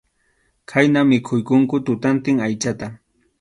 Khayna mikhuykunku tutantin aychata.